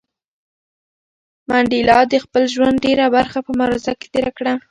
منډېلا د خپل ژوند ډېره برخه په مبارزه کې تېره کړه.